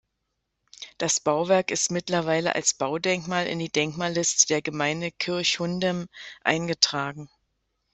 Das Bauwerk ist mittlerweile als Baudenkmal in die Denkmalliste der Gemeinde Kirchhundem eingetragen.